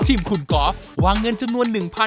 ทีมคุณกอล์ฟวางเงินจำนวน๑๐๐๐